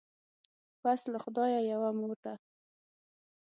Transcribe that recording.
پس له خدایه یوه مور ده